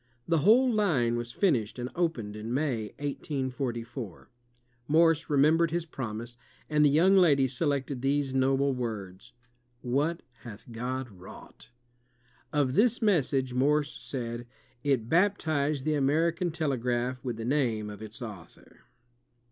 The whole line was finished and opened in May, 1844. Morse re membered his promise, and the young lady selected these noble words: "What hath God wrought!'' Of this mes sage Morse said, *'It baptized the American telegraph with the name of its Author.''